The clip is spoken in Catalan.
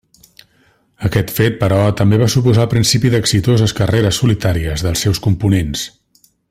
Aquest fet, però, també va suposar el principi d'exitoses carreres solitàries dels seus components.